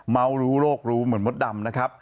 รู้โรครู้เหมือนมดดำนะครับ